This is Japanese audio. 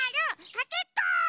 かけっこ！